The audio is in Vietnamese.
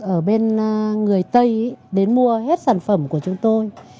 ở bên người tây đến mua hết sản phẩm của chúng tôi